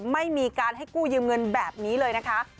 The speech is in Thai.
ไม่มีการให้กู้ยืมเงินแบบนี้เลยนะคะ